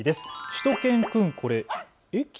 しゅと犬くん、これ、駅？